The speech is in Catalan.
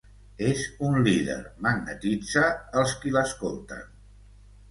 És un líder: magnetitza els qui l'escolten.